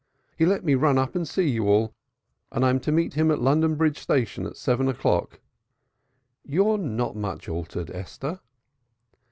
He let me run up and see you all, and I'm to meet him at London Bridge Station at seven o'clock. You're not much altered, Esther."